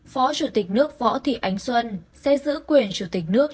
phó chủ tịch nước võ thị ánh xuân sẽ giữ quyền chủ tịch nước